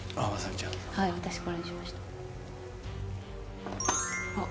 ちゃんはい私これにしましたあっ